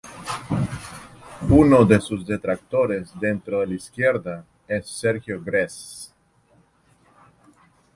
Uno de sus detractores dentro de la izquierda es Sergio Grez.